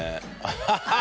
ハハハハ！